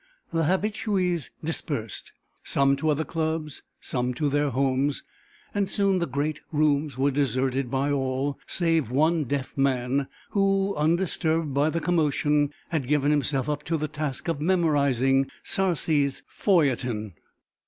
The habitués dispersed, some to other clubs, some to their homes, and soon the great rooms were deserted by all, save one deaf man, who, undisturbed by the commotion, had given himself up to the task of memorizing Sarcey's feuilleton.